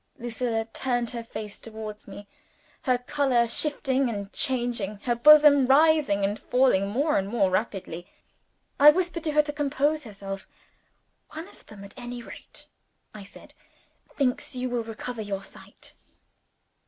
Lucilla turned her face towards me; her color shifting and changing, her bosom rising and falling more and more rapidly. I whispered to her to compose herself. "One of them, at any rate," I said, "thinks you will recover your sight."